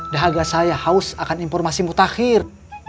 dahaga saya haus akan informasi mutakhir